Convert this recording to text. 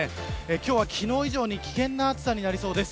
今日は昨日以上に危険な暑さになりそうです。